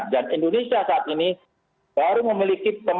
dan indonesia saat ini baru memiliki